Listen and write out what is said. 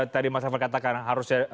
tadi mas eva katakan harusnya